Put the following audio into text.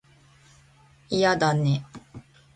嫌だね